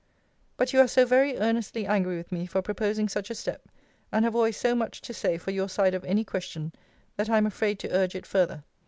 But you are so very earnestly angry with me for proposing such a step, and have always so much to say for your side of any question, that I am afraid to urge it farther.